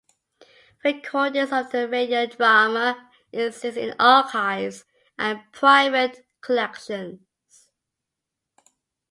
Recordings of the radio drama exist in archives and private collections.